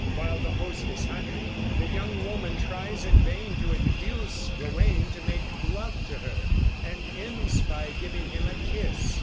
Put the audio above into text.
While the host is hunting, the young woman tries in vain to induce Gawain to make love to her, and ends by giving him a kiss.